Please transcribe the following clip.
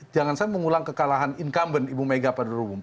jangan saya mengulang kekalahan incumbent ibu mega pada dua ribu empat belas